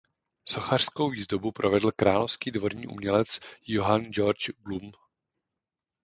Sochařskou výzdobu provedl královský dvorní umělec Johann Georg Glume.